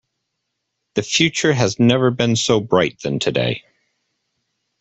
The future has never been so bright than today.